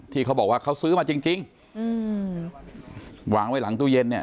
เขาบอกว่าเขาซื้อมาจริงจริงอืมวางไว้หลังตู้เย็นเนี่ย